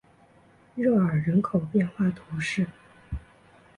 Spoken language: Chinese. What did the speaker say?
热尔人口变化图示